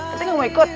nanti gak mau ikut